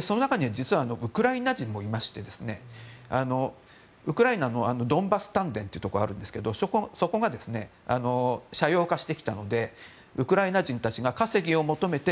その中には実はウクライナ人もいましてウクライナのドンバス炭田というところがあるんですがそこが斜陽化してきたのでウクライナ人たちが稼ぎを求めて